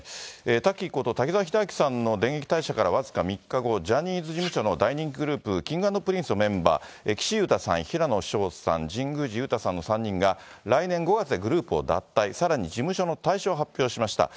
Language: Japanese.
タッキーこと滝沢秀明さんの電撃退社から僅か３日後、ジャニーズ事務所の大人気グループ、Ｋｉｎｇ＆Ｐｒｉｎｃｅのメンバー、岸優太さん、平野紫耀さん、神宮寺勇太さんの３人が、来年５月でグループを脱退、さらに、事務所の退所を発表しました。